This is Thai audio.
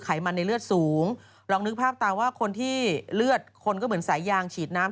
ไมันในเลือดสูงลองนึกภาพตาว่าคนที่เลือดคนก็เหมือนสายยางฉีดน้ำ